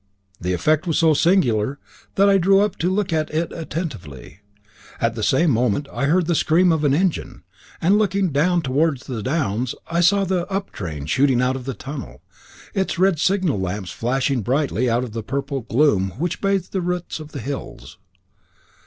The effect was so singular that I drew up to look at it attentively. At the same moment I heard the scream of an engine, and on looking towards the downs I noticed the up train shooting out of the tunnel, its red signal lamps flashing brightly out of the purple gloom which bathed the roots of the hills.